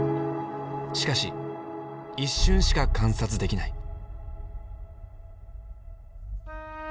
しかし一瞬しか観察できない。